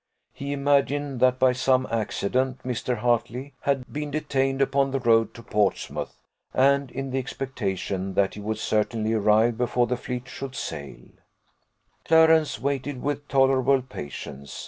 He imagined that, by some accident, Mr. Hartley had been detained upon the road to Portsmouth; and in the expectation that he would certainly arrive before the fleet should sail, Clarence waited with tolerable patience.